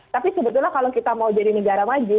tapi sebetulnya kalau kita mau jadi negara maju